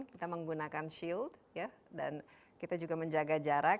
kita menggunakan shield dan kita juga menjaga jarak